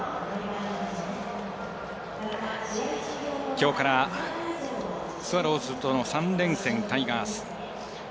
きょうからスワローズとの３連戦タイガース。